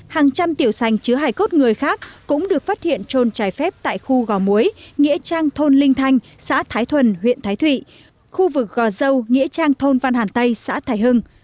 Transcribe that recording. hàng trăm tiểu sành chứa hài cốt người khác cũng được phát hiện trôn trải phép tại khu gò muối nghĩa trang thôn linh thanh xã thái thuần huyện thái thụy khu vực gò dâu nghĩa trang thôn văn hàn tây xã thái hưng